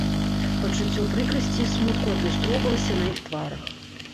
Пачуццё прыкрасці і смутку адлюстроўвалася на іх тварах.